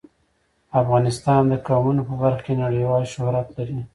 افغانستان د قومونه په برخه کې نړیوال شهرت لري.